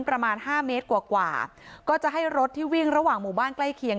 ประมาณห้าเมตรกว่ากว่าก็จะให้รถที่วิ่งระหว่างหมู่บ้านใกล้เคียง